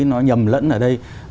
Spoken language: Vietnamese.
nó nhầm lẫn ở đây